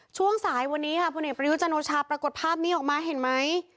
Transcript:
ช่วงสายวันนี้ค่ะพลเอกประยุจันโอชาปรากฏภาพนี้ออกมาเห็นไหม